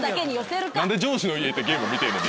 何で上司の家行ってゲーム見てんの。